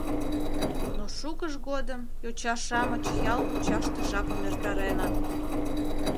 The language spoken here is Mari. Но шукыж годым йоча-шамыч ял мучаште жапым эртареныт.